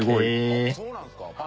あっそうなんですか？